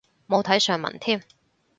冇睇上文添